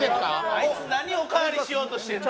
あいつ何おかわりしようとしてんねん！